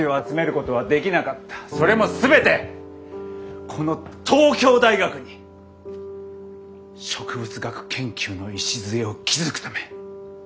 それも全てこの東京大学に植物学研究の礎を築くため。